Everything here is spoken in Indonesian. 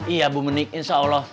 iya bu menik insya allah